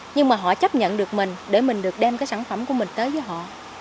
nhưng mà họ chấp nhận được mình để mình được đem cái sản phẩm của mình tới với họ